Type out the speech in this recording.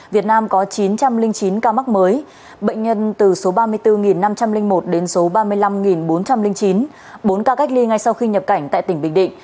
việt nam có chín trăm linh chín ca mắc mới bệnh nhân từ số ba mươi bốn năm trăm linh một đến số ba mươi năm bốn trăm linh chín bốn ca cách ly ngay sau khi nhập cảnh tại tỉnh bình định